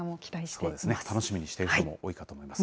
そうですね、楽しみにしている人も多いと思います。